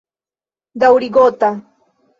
Daŭrigota.